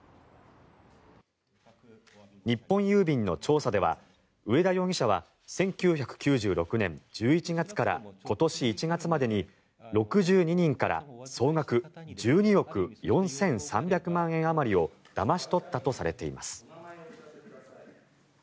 日本郵便の調査では上田容疑者は１９９６年１１月から今年１月までに６２人から総額１２億４３００万円あまりをだまし取ったとされています。